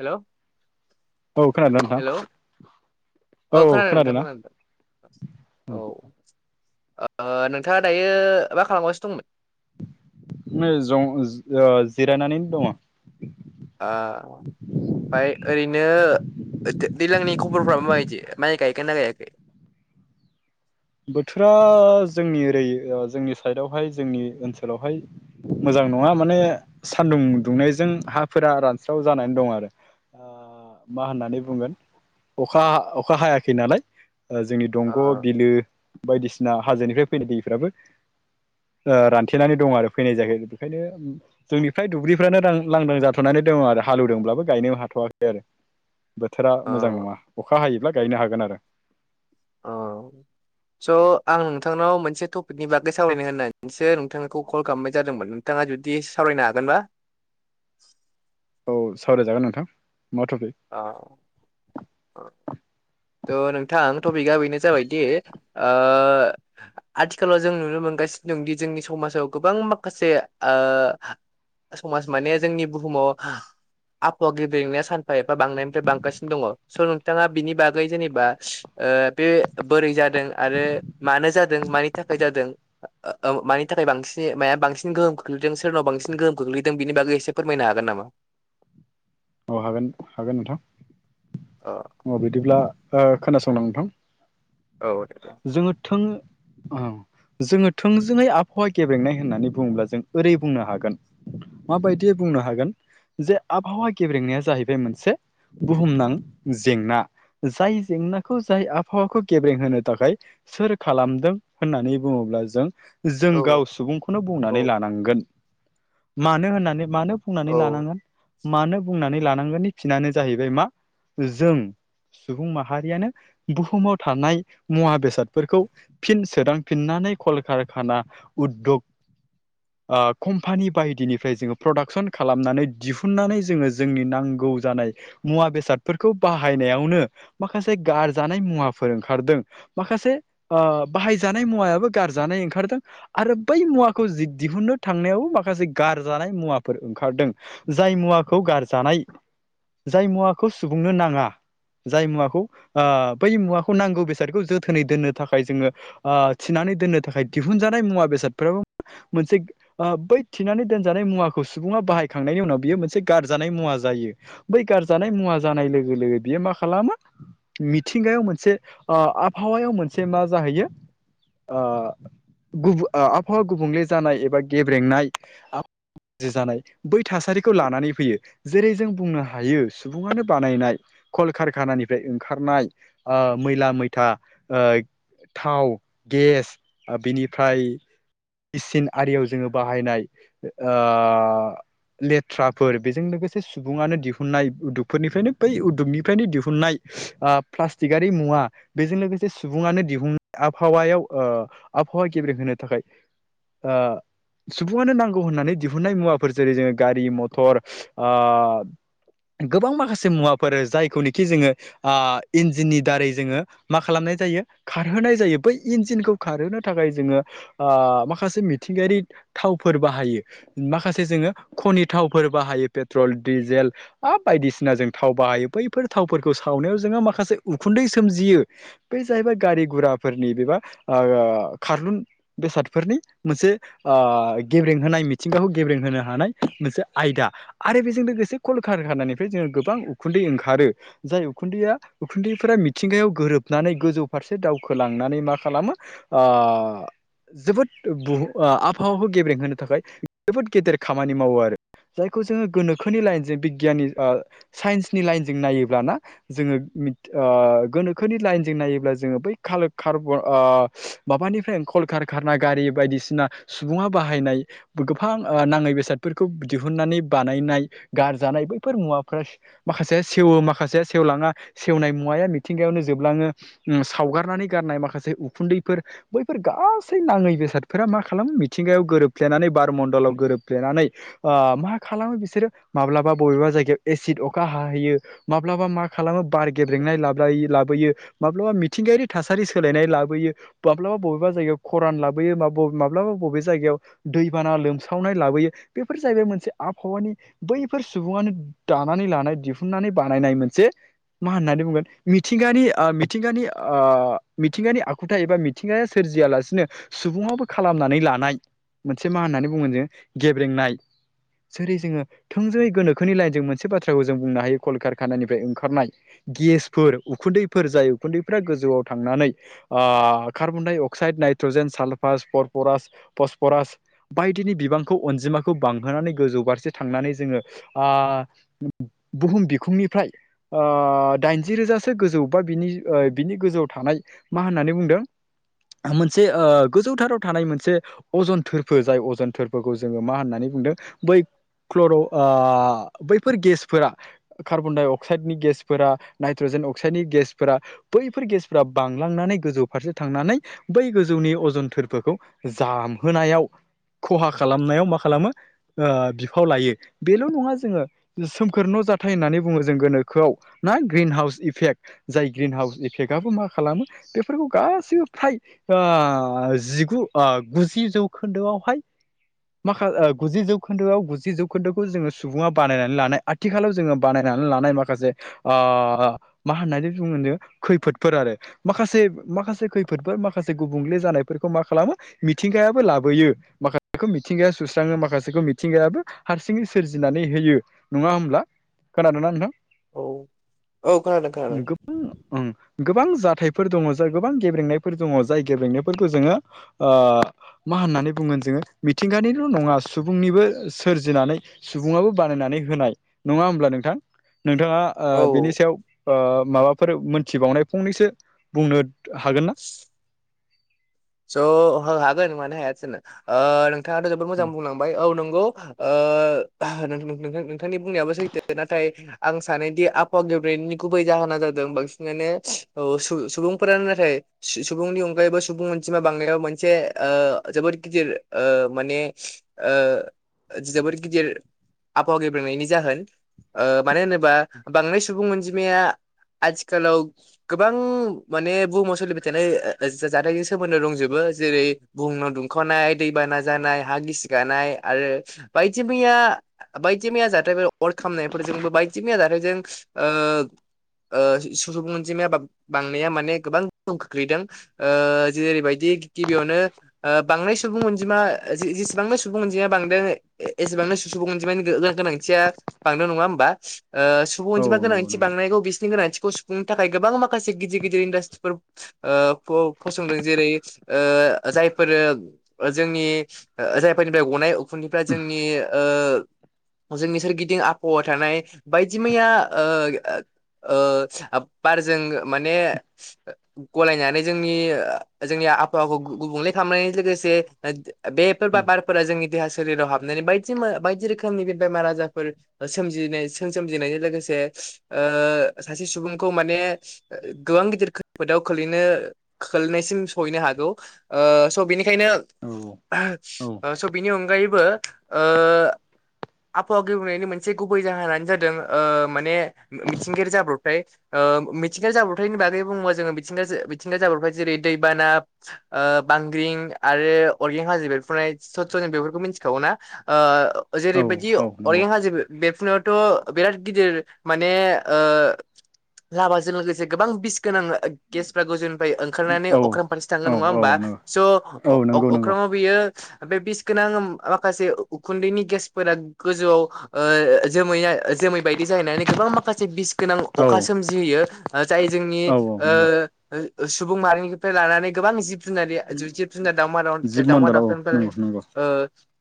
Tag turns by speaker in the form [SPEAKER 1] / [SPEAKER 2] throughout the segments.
[SPEAKER 1] हेल'।
[SPEAKER 2] औ खोनादो ना नोथां?
[SPEAKER 1] औ खोनादो नोथां खोनादो औ। ओ नोंथाङा दायो मा खालामगासिनो दंमोन?
[SPEAKER 2] नो जं ज अ जिरायनानैनो दङ।
[SPEAKER 1] ओ ओमफ्राय खबर फ्राबा माबायदि माइ गायखोना गायाखै?
[SPEAKER 2] बोथोरा जोंनि ओरै ओ जोंनि साइडआवहाय जोंनि ओनसोलावहाय मोजां ओ नङा मने सानदुं दुंनायजों हाफोरा रानस्राव जानानै दं आरो ओ ओ मा होननानै बुंगोन अखा अखा हायाखै नालाय । जोंनि
[SPEAKER 1] अ
[SPEAKER 2] दंग' बिलो बायदिसिना हाजोनिफ्राय फैनाय दैफ्राबो ओ रानथेनानै दं आरो फैनाय जाया बेखायनो जोंनिफ्राय दुब्लिफोररानो ल-लांदां जाथनानै दङ आरो हालेवदोंब्लाबो गायनो हाथ'वाखै आरो । बोथोरा
[SPEAKER 1] अ
[SPEAKER 2] मोजां नङा अखा हायोब्ला गायनो हागोन आरो ।
[SPEAKER 1] अ । स' आं नोंथांनाव मोनसे टपिकनि बागै सावरायनो होननानैसो नोंथांखौ कल खालामनाय जादोंमोन नोंथाङा जुद दि सावरायनो हागोनबा
[SPEAKER 2] औ सावरायजागोन नोंथां ।
[SPEAKER 1] ओ ओ ट नोंथां टपिकआ बेनो जाबाय दि ओ आथिखालाव जों नुनो मोनगासिनो दं दि जोंनि सम माजाव गोबां माखासे ओ समाज माने जोंनि बुहुमाव आबहावा गिबेंनाया सान फा एफा बांनायनिफ्राय बांगासिनो दङ स' नोंथाङा बिनि बागै जेनेबा बे बोरै जा दों आरो मानो जादों मानि थाखाय जादों ओ‌ मानि थाखाय बांसान माया बांसिन गोहोम गोहोम खोख्लैदों सोरनाव बांसिन गोहोम खोख्लैदों बिनि बागै एसे फोरमायनो हागोन नामा?
[SPEAKER 2] हागोन-हागोन नोंथां ।
[SPEAKER 1] अ
[SPEAKER 2] औ बिदिब्ला ओ खोनासं नोंथां ।
[SPEAKER 1] औ दे औ
[SPEAKER 2] जोङो थों औ‌ । जोङो थोंजोङै आबहावा गेबेंनाय होननानै बुङोब्ला जों ओरै बुंनो हागोन । माबायदियै बुंनो हागोन? जे आबहावा गेब्रेंनाया जाहैबाय मोनसे बुहुमनां जेंना जाय जें नाखौ जाय आबहावाखौ गेब्रें होनो थाखाय सोर खालामदों होननानै बुङोब्ला जों जों गाव सुबुंखौनो बुंनानै
[SPEAKER 1] औ
[SPEAKER 2] लानांगोन । मानो होननानै मानो बुंनानै
[SPEAKER 1] औ
[SPEAKER 2] लानांगोन मानो बुंनानै लानांगोननि फिनानो जाहैबाय मा जों सुबुं माहारियानो बुहुमाव थानाय मुवा बेसादफोरखौ फिन सदांफिननानै कलकारखाना उद'दुब ओ कम्पानि बायदिनिफ्राय जोङो प्रडाक्सन खालामनानै दिहुननानै जोङो जोंनि नांग गौ जानाय मुवा बेसादफोरखौ बाहायनायावनो माखासे गारजानाय मुवाफोर ओंखारदों माखासे ओ बाहायजानाय मुवायाबो गारजानाय ओंखारदों आरो बै मुवाखौ जिददि दिहुननो थांनायावबो माखासे गारजानाय मुवाफोर ओंखारदों जाय मुवाखौ गारजानाय जाय मुवाखौ सुबुंनो नाङा जाय मुवाखौ ओ बै मुवाखौ नांगौ बेस बे जोथोनै दननो थाखाय जोङो ओ थनानै दोननो थाखाय दिहुनजानाय मुवा बेसादफोराबो मोनसे ओ बै थिनानै दोनजानाय मुवाखौ सुबुङा बाहायखांनायनि उनाव बियो मोनसे गारजानाय मुवा जायो बै गारजानाय मुवा जानाय लोगो लोगो बियो मा खालामो मिथिंगायाव मोनसे ओ आबहावायाव मोनसे मा जाहैयो ओ गुबु आबहावा गुबुंले जानाय एबा गेब्रेंनाय आब गाज्रि जानाय बै थासारिखौ लानानै फैयो जेरै जों बुंनो हायो सुबुङानो बानायनाय कलकारखानानिफ्राय ओंखारनाय ओ मैला मैथा ओ थाव, गेस बिनिफ्राय गिसिन आरियाव जोङो बाहायनाय ओ ओ लेथ्राफोर बेजों लोगोसे सुबुङानो दिहुननाय उदुबफोरनिफ्रायनो बै उदुबनिफ्रायनो दिहुननाय आ प्लासटिकारि मुवा बेजों लोगोसे सुबुङानो दिहुननाय आबहावायाव ओ आबहावा गेब्रेंहो थाखाय आ सुबुङानो नांगौ होननानै दिहुनन्नाय मुवाफोर जेरै जोङो गारि, मटर ओ गोबां माखासे मुवाफोर जायखौनोखि जोङो आ इन्जिननि दारै जोङो मा खालामनाय जायो खारहोनाय जायो बै इन्जिनखौ खारहोनो थाखाय जोङो ओ माखासे मिथिं मिथिंगारि थावफोर बाहायो माखासे जोङो खनि थावफोर बाहायो पेट्रल, डिजेल हा बायदिसिनाजों थाव बाहायो बैफोर थावफोरखौ सावनायाव जोंहा माखासे उखुन्दै सोमजियो बे जाहैबाय गारि गुराफोरनि बेबा ओ खारलुन बेसादफोरनि मोनसे ओ गेब्रें होनाय मिथिंगाखौ गेब्रेंहोनो हानाय मोनसे आयदा आरो बेजों लोगोसे कल कारखानिफ्राय जोङो गोबां उखुन्दै ओंखारो जाय उखुन्दैया उखुन्दैफोरा मिथिंगायाव गोरोब नानै गोजौ फारसे दावखोलांनानै मा खालामो ओ जोबोद बुह ओ आबहावाखौ गेब्रेंहोनो थाखाय जोबोद गेदेर खामानि मावो आरो जायखौ जोङो गोनोखोनि लाइनजों बिगियाननि ओ साइन्सनि लाइनजों नायोब्लाना जोङो ओ गोनोखो फोरनि लाइनजों नायोब्ला जोङो बै कालोक कारब ओ माबानिफ्राय कलकारखाना गारि बायदि सिना सुबुङा बाहायनाय बोगोफां नाङै बेसादफोरखौ दिहुननानै बानायनाय आरजानाय बैफोर मुवाफोर माखासे सेवो माखासे सेवलांया सेवनाय मुवाया मिथिंगायावनो ज जोबलाङो उम सावगारनानै गारनाय माखासे उखुन्दैफोर बैफोर गासै नाङै बेसादफोरा मा खालामो मिथिंगायाव गोरोबफ्लेनानै बारमन्दलाव गोरोबफ्लेनानै ओ मा खालामो बिसोरो माब ब्ला बबेबा जायगायाव एसिद अखा हाहोयो माब्लाबा मा खालामो बार गेब्रेंनाय लाब्लायो ला यो माब्लाबा मिथिंगायारि थासारि सोलायनाय लाबोयो माब्लाबा बबेबा जायगायाव खरान लाबोयो मा बब माब्लाबा बबे जायगायाव दैबाना लोमसावनाय लाबोयो बेफोर जाहैबाय मोनसे आबहावानि बै बेफोर सुबुंयानो दानानै लानाय दिहुननानै बानायनाय मोनसे मा होननानै बुंगोन मि मिथिंगानि ओ मिथिंगानि ओ मिथिंगानि आखुथाय एबा मिथिंगाया सोरजियालासिनो सुबुं मुंआबो खालामनानै लानाय मोनसे मा होननानै बुंगोन जों गेब्रेंनाय जेरै जोङो थोंजोङै गोनोखोनि लाइनजों मोनसे बाथ्राखौ जों बुंनो हायो कलकारखानानिफ्राय ओंखारनाय गेसफोर उखुन्दैफोर जाय उखुन्दैफ्रा गोजौआव थांनानै ओ कार्बन डाइ अक्साइड नायट्रजेन सालफा फास फरफरास फसफरास बायदिनि बिबांखौ अनजिमाखौ बांहोनानै गोजौ फारसे थांनानै जोंयो ओ ब बु बुहुम बिखुंनिफ्राय ओ दाइनजि रोजा से गोजौ बा बिनि ओ बिनि गोजौआव थानाय मा होननानै बुंदों आहा मोनसे ओ गोजौथाराव थानाय मोनसे अजन थोरफो जाय अजन थोरफोखौ जोङो मा होननानै बुंदों बै क्लर' ओ बैफोर गेसफोरा कार्बन डाइ अक्साइडनि गेसफोरा नाइट्रजेन अक अक्साइडनि गेसफोरा बैफोर गेसफोरा बांलांनानै गोजौ फारसे थांनानै बै गोजौनि अजनथ थोरफोखौ जामहोनायाव खहा खालामनायाव मा खालामो ओ बिफाव लायो बेल' नङा जोङो सोमखोर न' जाथाय होननानै बुङो जों गोनोखोआव ना ग्रिन हाउस इफेक्ट जाय ग्रिन हाउस इफेक्टआबो मा खालामो बेफोरखौ गासैबो फ्राय ओ जिगु ओ गुजि जौखोन्दोआवहाय माखा ओ गुजि जौखोन्दोआव गुजि जौखोन्दोखौ जोङो सुबुङा बानायनानै लानाय आथिखालाव जोङो बानायना नानै लानाय माखासे ओ मा होननानै बुङो होनदों खैफोदफोर आरो माखासे माखासे खैफोदफोर माखासे गुबुंले जानायफोर खौ मा खालामो मिथिंगायाबो लाबोयो माखासेखौ मिथिंगाया सुस्राङो माखासेखौ मिथिंगायाबो ह हारसिंयै सोरजिनानै होयो नङा होमब्ला खोनादोंना नोंथां
[SPEAKER 1] औ औ खोनादों खोनादों
[SPEAKER 2] ओं गोबां ओं गोबां जाथायफोर दङ जाय गोबां गेब्रेंनायफोर दङ जाय गेब्रेंनायफोरखौ जोङो ओ मा होननानै बुंगोन जोङो मिथिंगानिल' नङा सुबुंनिबो सोरजिनानै सुबुङाबो बानायनानै हो होनाय नङा होनब्ला नोंथां! नोंथाङा ओ
[SPEAKER 1] औ औ
[SPEAKER 2] बेनि सायाव ओ माबाफोर मोनथिबावनाय फंनैसो बुंनो हागोन ना?
[SPEAKER 1] स' हा हागोन मानो हाया जानो ओ नोंथाङा जोबोद मोजां बुंलांबाय औ नंगौ ओ नों नों नोंथांनि बुंनायाबो सैथो नाथाय आं सानोदि आबफहावा गेब्रेंनाय नि गुबै जाहोना जादों बांसिनानो ओ सु सुबुंफोरा नाथाय सु सुबुंनि अनगायैबो सुबुं अनजिमा बांनायाव मोनसे ओ जोबोद गिदिर ओ माने ओ जोबोर गिदिर आबहाव गेब्रेंनायनि जाहोन ओ मानो होनोबा बांद्राय सुबुं अनजिमाया आथिखालाव गोबां माने बुहुमाव सोलिबाय थानाय जाथाय सोमोन्दो दंजोबो जेरै बुहुमनां दुंखावनाय दैबाना जानाय हा गिसि गानाय। आरो बायदि मैया बायदि मैया जाथायफोर अर खामनायफोरजोंबो बायदि मैया जाथायजों ओ ओ सुबुं अनजिमाया बांनाया माने गोबां गोहोम खोख्लैदों ओ। जेरैबायदि गिबियावनो ओ बांनाय सुबुं अनजिमा जेसेबां सुबुं अनजिमाया बांदों एसेबांनो सुबुं अनजिमानि गोनांथिया बांदों नङा होमबा? ओ सुबुं
[SPEAKER 2] औ
[SPEAKER 1] अनजिमा
[SPEAKER 2] नंगौ
[SPEAKER 1] गोनांथि
[SPEAKER 2] नंगौ
[SPEAKER 1] बांनायखौ गोनांथिखौ सुुफुंनो थाखाय गोबां गिदिर गिदिर माखासे इनदास्ट्रि जेरै- ओ जायफोर जोंनि जायफोरनिफ्राय गनाय आखुदैफ्रा जोंनि ओ जोंनि सोरगिदिं आबहावा थानाय बायदि मैया ओ ओ बारजों माने गलायनानै जोंनि जोंनिया आबहावाखौ गुबुंले खालामनाय लोगोसे बेफोर बारफोरा जोंनि देहा सोलेराव हाबनानै बायदि बायदि रोखोमनि बे बेमार आजारफोर सोमजिनाय सोमजिनायजों लोगोसे ओ सासे सुबुंखौ माने गोबां गिदिर खैफोदाव खोलैनो खोलनायसिम सहैनो हागौ। ओ स' बेनि खायनो
[SPEAKER 2] औ औ
[SPEAKER 1] स' बिनि अनगायैबो ओ आबहावा गेब्रेंनायनि मोनसे गुबै जाहोनानो जादों मानसे मिथिंगायारि जाब्रबथाय। ओ मिथिंगा जाब्रथायनि बागै बुङोबा जोङोथिं मिथिंगा जाब्रथाय जेरै दैबाना ओ बांग्रिं आरो अर्गें हाजो बेरफ्रुनाय स' जों बेफोरखौ मिथिनो ओ जेरैबायदि
[SPEAKER 2] औ नंगौ
[SPEAKER 1] अरगें हाजो बेरफ्रुनायाव थ' बिराद गिदिर माने ओ लामाजों लोगोसे गोबां बिस गोनां गेसफ्रा गोजौनिफ्राय । ओंखारनानै
[SPEAKER 2] औ
[SPEAKER 1] अख्रां फारसे थाङो
[SPEAKER 2] औ
[SPEAKER 1] नङा
[SPEAKER 2] औ
[SPEAKER 1] होमबा?
[SPEAKER 2] नंगौ
[SPEAKER 1] स'
[SPEAKER 2] औ नंगौ नंगौ
[SPEAKER 1] अख्रांआव बियो बे बिस गोनां माखासे उखुन्दैनि गेसफोरा गोजौआव ओ जोमै जोमै बायदि जाहैनानै गोबां माखासे बिस गोनां
[SPEAKER 2] औ
[SPEAKER 1] अखा सोमजिहोयो। जाय जोंनि
[SPEAKER 2] औ औ नंगौ
[SPEAKER 1] ओ सुबुं माहारिनिफ्राय लानानै गोबां जिब जुनार दाउमा दाउसा
[SPEAKER 2] जिब मन्दलाव औ नंगौ नंगौ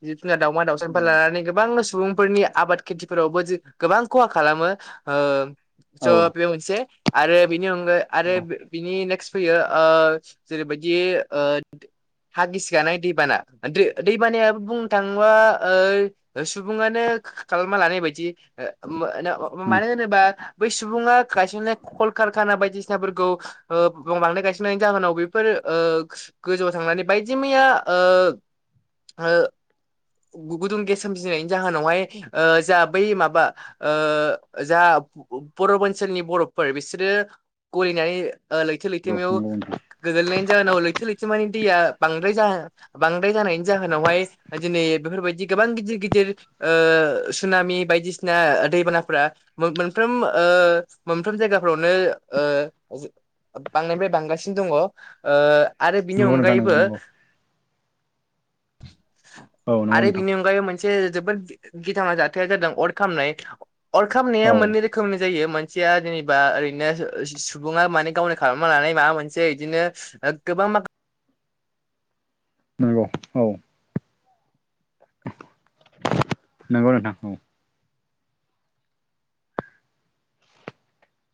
[SPEAKER 1] जिउ जुनार दाउमा दाउसा सानिफ्राय लानानै गोबां सुबुंफोरनि आबाद खेथिफोरावबो ज गोबां खहा खालामो ओ । स'
[SPEAKER 2] औ औ
[SPEAKER 1] बे मोनसे आरो बिनि अनगाय आरो बिनि नेक्स्ट फैयो । ओ जेरैबायदि ओ हा गिसिखानाय दैबाना दै बानाया बुंनो थाङोबा ओ सुबुङानो खालामना लानाय बायदि मानो
[SPEAKER 2] औ
[SPEAKER 1] होनोबा बै सुबुङा गायसननाय कलकारखाना बायदिसिनाफोरखौ ओ बिबां बांनो गायसननायनि जाहोनाव बेफोर ओ गोजौआव थांनानै बायदि मैया ओ ओ गुदुं गेस सोमजिनायनि जाहोनावहाय ओ जा बै माबा ओ जा बर'फ ओनसोलनि बर'फोर बिसोरो गलिनानै
[SPEAKER 2] नंगौ
[SPEAKER 1] गोग्लैनायनि जाहोनाव लैथो लैथोमानि दैया बांद्राय जा बां बांद्राय जानायनि जाहोनावहाय दिनै बेफोरबायदि गोबां गिदिर गिदिर ओ सुनामि बायदिसिना दैबानाफोरा मोनफ्रोमबो ओ मोनफ्रोम जायगाफ्रावनो ओ बांनायनिफ्राय बांगासिनो दङ ओ आरो बिनि
[SPEAKER 2] नंगौ नोंथां नंगौ
[SPEAKER 1] अनगायैबो
[SPEAKER 2] नोंथां नंगौ औ नंगौ
[SPEAKER 1] आरो
[SPEAKER 2] नोंथां
[SPEAKER 1] बिनि अनगायैबो मोनसे जोबोद गिथावना जाथाया जादों अर खामनाय। अर खामनाया
[SPEAKER 2] औ
[SPEAKER 1] मोननै रोखोमनि जायो। मोनसेया जेनेबा ओरैनो सुबुङा माने गावनि खालामना लानानै माबा मोनसे बिदिनो गोबां मा
[SPEAKER 2] नंगौ औ नंगौ नोंथां औ